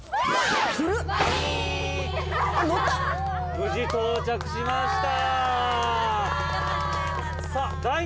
無事到着しました。